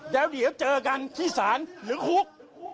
แล้วเดี๋ยวเจอกันที่ศาลหรือคุก